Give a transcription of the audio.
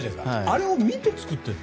あれを見て作ってるの？